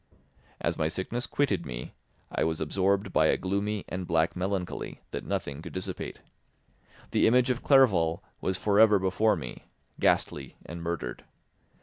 As my sickness quitted me, I was absorbed by a gloomy and black melancholy that nothing could dissipate. The image of Clerval was for ever before me, ghastly and murdered.